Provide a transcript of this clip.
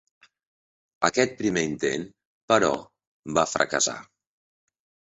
Aquest primer intent, però, va fracassar.